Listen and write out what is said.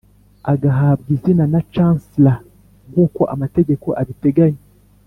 agahabwa izina rya Chancellor nk’uko amategeko abiteganya